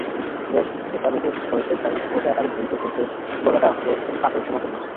বেশ, যেটা নিজে করতে চাই না সেটা আরেকজনকে করতে বলাটা হবে পাপের সমতুল্য।